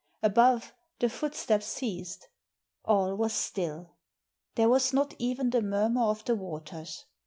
Above, the footsteps ceased. All was still. There was not even the murmur of the waters.